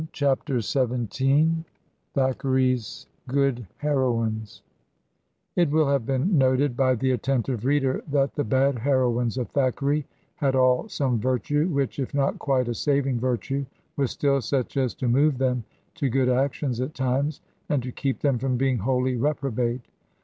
Digitized by VjOOQIC THACKERAY'S GOOD HEROINES IT will have been noted by the attentive reader that the bad heroines of Thackeray had all some virtue, which if not quite a saving virtue was still such as to move them to good actions at times, and to keep them from being wholly reprobate.